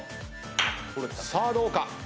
さあどうか？